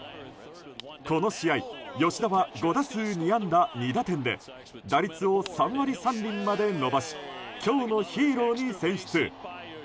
この試合、吉田は５打数２安打２打点で打率を３割３厘まで伸ばし今日のヒーローに選出。